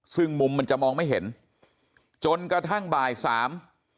ซึ่งมุมมันจะมองไม่เห็นจนกระทั่งบ่ายสาม